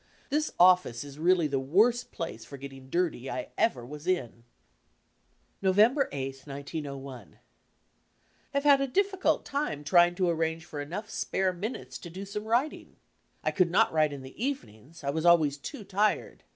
This office is really the worst place for getting dirty I ever was in. November i8, 1901 Have had a difficult time trying to arrange for enough spare minutes to do some writing. I could not write in the eve nings, I was always too tired.